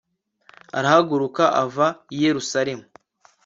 arahaguruka ava i yeruzalemu